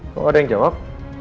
kok ada yang jawab